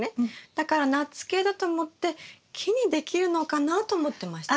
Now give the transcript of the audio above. だからナッツ系だと思って木にできるのかなと思ってました。